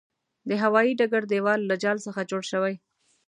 د هوايې ډګر دېوال له جال څخه جوړ شوی.